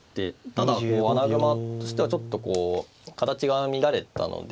ただ穴熊としてはちょっとこう形が乱れたので。